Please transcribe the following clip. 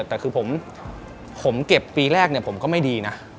แต่คือผมเก็บปีแรกผมก็ไม่ดีนะ